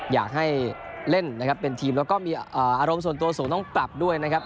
อยากให้เล่นนะครับเป็นทีมแล้วก็มีอารมณ์ส่วนตัวสูงต้องปรับด้วยนะครับ